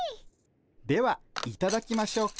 ではいただきましょうか。